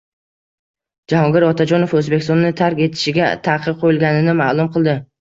Jahongir Otajonov O‘zbekistonni tark etishiga taqiq qo‘yilganini ma’lum qildi